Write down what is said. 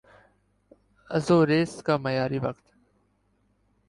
Azores کا معیاری وقت